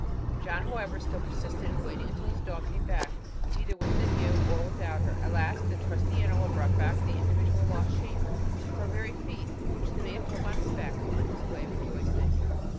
John, however, still persisted in waiting until his dog came back, either with the ewe or without her. At last the trusty animal brought the individual lost sheep to our very feet, which the man took on his back, and went on his way rejoicing."